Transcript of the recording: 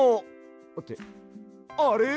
ってあれ！？